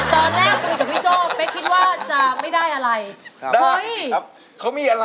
ตอนแรกคุยกับพี่โจ้เป๊กคิดว่าจะไม่ได้อะไร